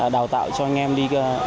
đào tạo cho anh em đi